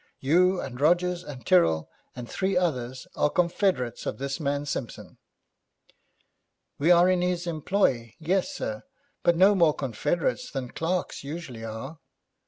You, and Rogers, and Tyrrel, and three others, are confederates of this man Simpson.' 'We are in his employ; yes, sir, but no more confederates than clerks usually are.'